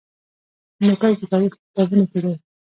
هندوکش د تاریخ په کتابونو کې دی.